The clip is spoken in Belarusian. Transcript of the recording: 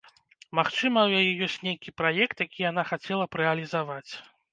Магчыма, у яе ёсць нейкі праект, які яна хацела б рэалізаваць.